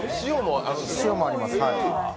塩もあります。